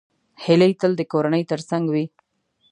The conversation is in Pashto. هیلۍ تل د کورنۍ تر څنګ وي